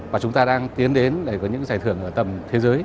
và chúng ta đang tiến đến để có những giải thưởng ở tầm thế giới